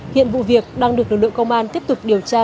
hiện vụ việc đang được lực lượng công an tiếp tục điều tra